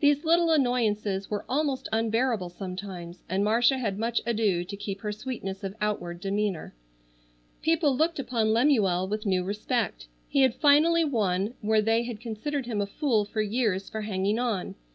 These little annoyances were almost unbearable sometimes and Marcia had much ado to keep her sweetness of outward demeanor. People looked upon Lemuel with new respect. He had finally won where they had considered him a fool for years for hanging on.